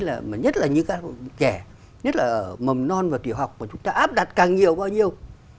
là mà nhất là những cái trẻ nhất là ở mầm non và tiểu học mà chúng ta áp đặt càng nhiều bao nhiêu